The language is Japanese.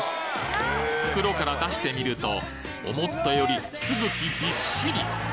袋から出してみると思ったよりすぐきびっしり！